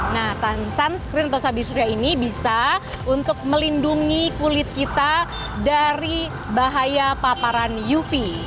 nah sunscreen atau sabi surya ini bisa untuk melindungi kulit kita dari bahaya paparan uv